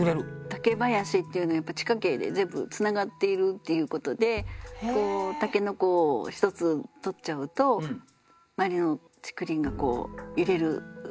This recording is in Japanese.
竹林っていうのはやっぱり地下茎で全部つながっているっていうことで筍を一つ採っちゃうと周りの竹林が揺れる。